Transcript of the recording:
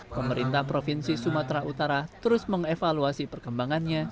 pemerintah provinsi sumatera utara terus mengevaluasi perkembangannya